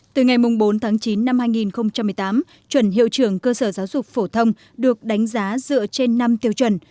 từ ngày bốn tháng chín năm hai nghìn một mươi tám chuẩn hiệu trưởng cơ sở giáo dục phổ thông được đánh giá dựa trên năm tiêu chuẩn